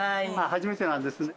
初めてなんですね。